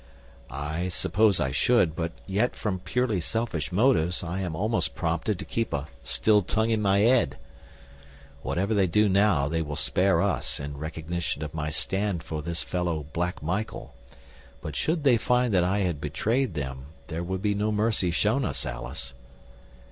"I suppose I should, but yet from purely selfish motives I am almost prompted to 'keep a still tongue in my 'ead.' Whatever they do now they will spare us in recognition of my stand for this fellow Black Michael, but should they find that I had betrayed them there would be no mercy shown us, Alice."